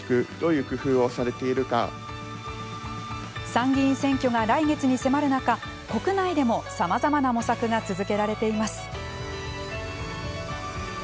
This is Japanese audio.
参議院選挙が来月に迫る中国内でも、さまざまな模索が続けられています。